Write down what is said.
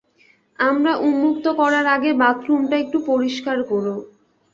আমরা উন্মুক্ত করার আগে বাথরুমটা একটু পরিষ্কার কোরো।